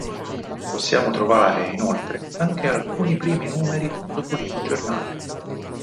Possiamo trovare, inoltre, anche alcuni primi numeri di Topolino giornale.